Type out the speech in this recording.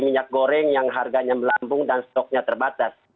minyak goreng yang harganya melambung dan stoknya terbatas